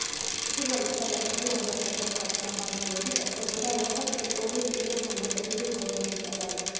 პირველი ქვემეხები, რომელებსაც ერქვათ ბომბარდირები, კეთდებოდა ერთად შეკრული რკინის გამოჭედილი რგოლებისაგან.